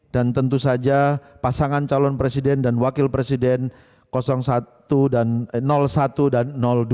dan tentu saja pasangan calon presiden dan wakil presiden satu dan dua